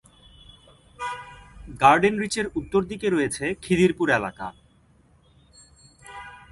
গার্ডেনরিচ এর উত্তর দিকে রয়েছে খিদিরপুর এলাকা।